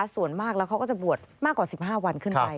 ส่วนมากแล้วเขาก็จะบวชมากกว่า๑๕วันขึ้นไป